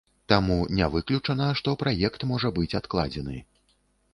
Таму не выключана, што праект можа быць адкладзены.